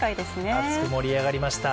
熱く盛り上がりました。